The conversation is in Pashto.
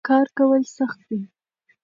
کار کول سخت دي.